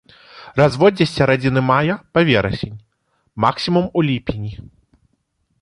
Разводдзе з сярэдзіны мая па верасень, максімум у ліпені.